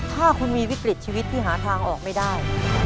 ถ้าคุณมีวิกฤตชีวิตที่หาทางออกไม่ได้